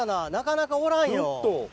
なかなかおらんよ。